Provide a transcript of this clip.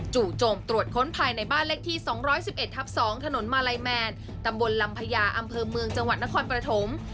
จู่โจมตรวจค้นภายในบ้านเลขที่๒๑๑ทับ๒ถนนมาลัยแมนตำบลลำพญาอำเภอเมืองจังหวัดนครปฐม